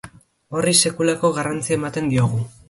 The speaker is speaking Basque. Horri sekulako garrantzia ematen diogu.